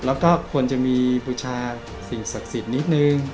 แล้วก็ควรจะมีบูชาสิ่งศักดิ์สิทธิ์นิดนึง